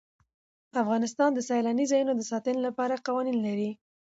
افغانستان د سیلانی ځایونه د ساتنې لپاره قوانین لري.